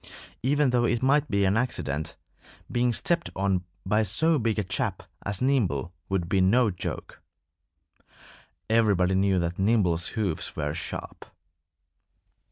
Even though it might be an accident, being stepped on by so big a chap as Nimble would be no joke. Everybody knew that Nimble's hoofs were sharp.